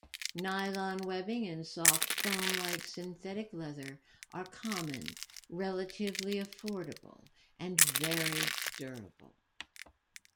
Nylon webbing and soft foam-like synthetic leather are common, relatively affordable, and very durable.